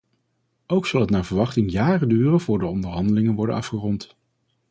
Ook zal het naar verwachting jaren duren voor de onderhandelingen worden afgerond.